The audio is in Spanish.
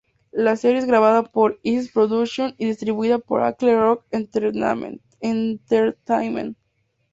La serie es grabada por Isis Productions y distribuida por Eagle Rock Entertainment.